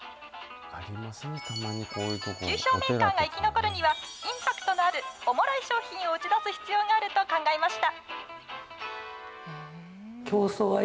中小メーカーが生き残るには、インパクトのある、おもろい商品を打ち出す必要があると考えました。